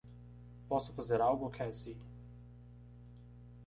Posso fazer algo Cassie?